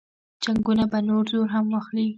جنګونه به نور زور هم واخلي.